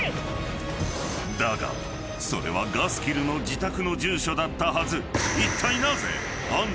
［だがそれはガスキルの自宅の住所だったはず］